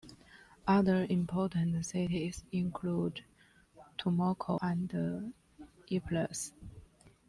Other important cities include Tumaco and Ipiales.